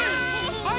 はい！